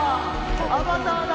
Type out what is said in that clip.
アバターだ。